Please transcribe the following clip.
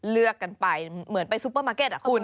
เลือกกันไปเหมือนไปซูเปอร์มาร์เก็ตอ่ะคุณ